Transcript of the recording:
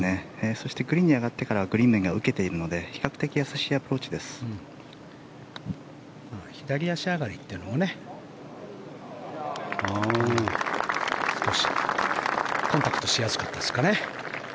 そしてグリーンに上がってからグリーン面が受けているので左足上がりというのもね少しコンタクトしやすかったですかね。